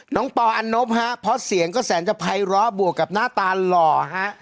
ปออันนบฮะเพราะเสียงก็แสนจะภัยร้อบวกกับหน้าตาหล่อฮะ